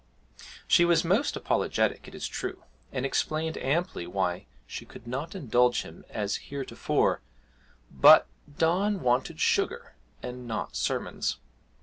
She was most apologetic, it is true, and explained amply why she could not indulge him as heretofore, but Don wanted sugar, and not sermons.